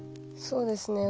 そうですね